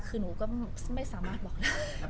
คือหนูก็ไม่สามารถบอกได้